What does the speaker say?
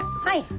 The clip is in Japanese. はい。